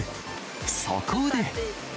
そこで。